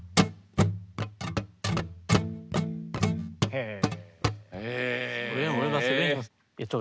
へえ。